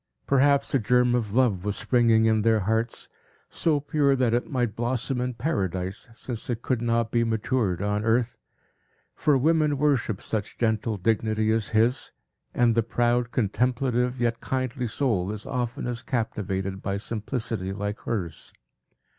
Perhaps a germ of love was springing in their hearts, so pure that it might blossom in Paradise, since it could not be matured on earth; for women worship such gentle dignity as his; and the proud, contemplative, yet kindly soul is oftenest captivated by simplicity like hers.